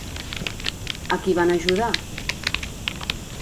A qui van ajudar?